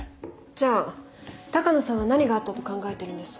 じゃあ鷹野さんは何があったと考えてるんです？